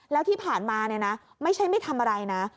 แล้วที่ผ่านมาเนี่ยนะไม่ใช่ไม่ทำอะไรนะ